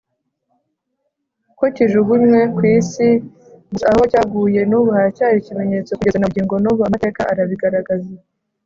ko kijugunywe ku isi gusa aho cyaguye nubu haracyari ikimenyetso kugeza nabungo nubu amateka arabigaragaza.